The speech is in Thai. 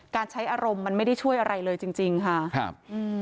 ใช้อารมณ์มันไม่ได้ช่วยอะไรเลยจริงจริงค่ะครับอืม